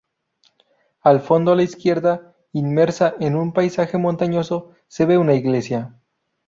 Al fondo a la izquierda, inmersa en un paisaje montañoso, se ve una iglesia.